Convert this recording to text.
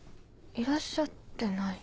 いらっしゃってない。